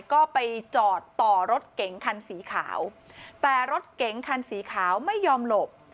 ก็ไปจอดต่อรถเก๋งคันสีขาวแต่รถเก๋งคันสีขาวไม่ยอมหลบ